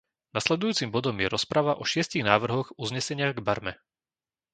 Nasledujúcim bodom je rozprava o šiestich návrhoch uznesenia k Barme.